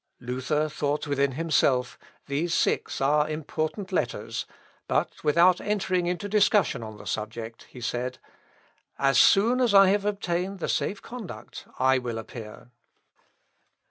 Luther thought within himself, these six are important letters; but, without entering into discussion on the subject, said, "As soon as I have obtained the safe conduct I will appear."